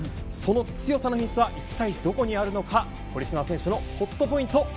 その強さの秘密は一体どこにあるのか堀島選手のホットポイント